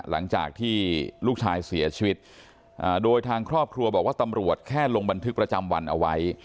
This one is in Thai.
หลังจากที่ลูกชายเสียชีวิตโดยทางครอบครัวบอกว่าตำรวจแค่ลงบันทึกประจำวันเอาไว้